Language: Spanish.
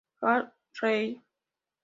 Hal Reid.